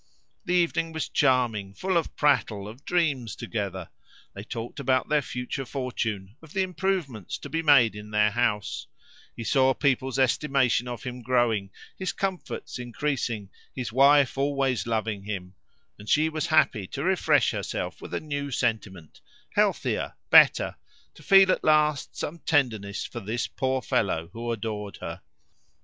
The evening was charming, full of prattle, of dreams together. They talked about their future fortune, of the improvements to be made in their house; he saw people's estimation of him growing, his comforts increasing, his wife always loving him; and she was happy to refresh herself with a new sentiment, healthier, better, to feel at last some tenderness for this poor fellow who adored her.